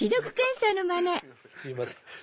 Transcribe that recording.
すいません